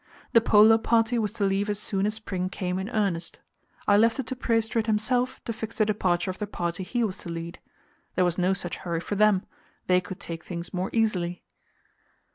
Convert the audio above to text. The Polar party was to leave as soon as spring came in earnest. I left it to Prestrud himself to fix the departure of the party he was to lead; there was no such hurry for them they could take things more easily.